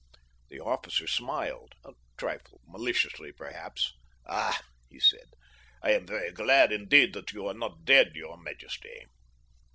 The officer smiled, a trifle maliciously perhaps. "Ah," he said, "I am very glad indeed that you are not dead, your majesty."